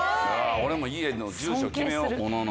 俺も家の住所決めよう物の。